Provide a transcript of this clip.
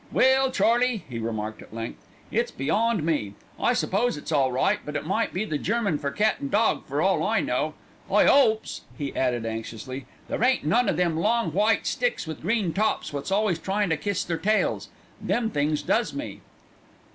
"Well, Charlie," he remarked at length, "it's beyond me. I s'pose it's all right; but it might be the German for cat an' dog for all I know. I 'opes," he added anxiously, "there ain't none o' them long white sticks with green tops, wot's always tryin' to kiss their tails. Them things does me."